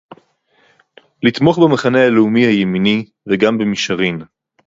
לתמוך במחנה הלאומי הימני, וגם במישרין